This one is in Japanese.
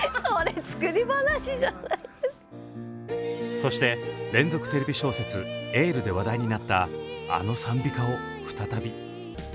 そして連続テレビ小説「エール」で話題になったあの賛美歌を再び。